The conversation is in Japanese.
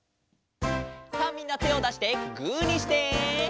さあみんなてをだしてグーにして！